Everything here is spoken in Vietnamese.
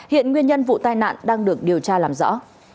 hiện nguyên nhân vụ tai nạn đang được điều tra làm rõ